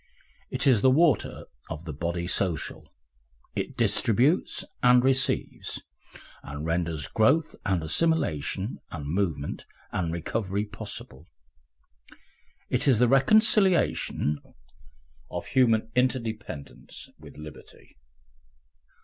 It is the water of the body social, it distributes and receives, and renders growth and assimilation and movement and recovery possible. It is the reconciliation of human interdependence with liberty.